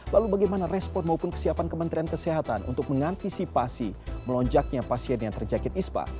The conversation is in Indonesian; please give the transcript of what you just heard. lalu bagaimana respon maupun kesiapan kementerian kesehatan untuk mengantisipasi melonjaknya pasien yang terjakit ispa